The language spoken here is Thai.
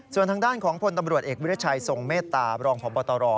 ส่วนทางด้านของพลตำรวจเอกวิทยาชัยทรงเมตตาบรองพบตร